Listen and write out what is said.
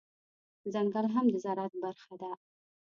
ځنګل هم د زرعت برخه ده